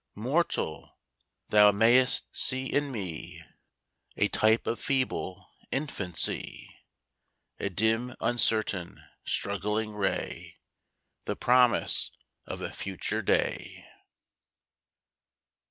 Mortal! thou mayst see in me A type of feeble infancy, A dim, uncertain, struggling ray, The promise of a future day!